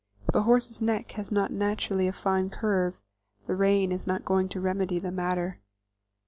If a horse's neck has not naturally a fine curve, the rein is not going to remedy the matter.